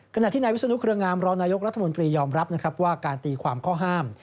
ขณะที่ในวิสุนุข์เครื่องงามรณายกรัฐมนุนตรียอมรับว่าการตีความข้อห้าม